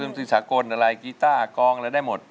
คือนุนตรีสากลอะไรกีต้ากล้องอะไรได้หมด